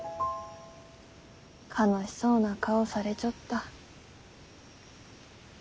悲しそうな顔されちょった。